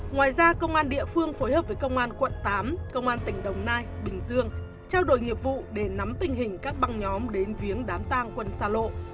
ngoài ra công an địa phương phối hợp với công an quận tám công an tỉnh đồng nai bình dương trao đổi nghiệp vụ để nắm tình hình các băng nhóm đến viếng đám tang quân xa lộ